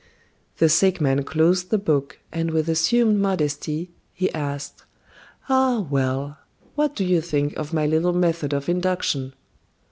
The sick man closed the book, and with assumed modesty, he asked: "Ah, well! What do you think of my little method of induction?"